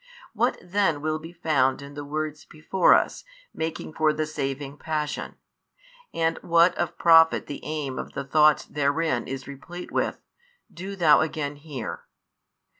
What then will be found in the words before us making for the saving Passion, and what of profit the aim of the thoughts therein is replete with, do thou again hear.